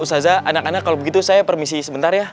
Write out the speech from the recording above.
musaza anak anak kalau begitu saya permisi sebentar ya